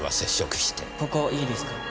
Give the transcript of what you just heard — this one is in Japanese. ここいいですか？